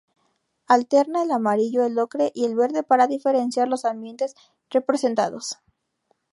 Alterna el amarillo, el ocre y el verde para diferenciar los ambientes representados.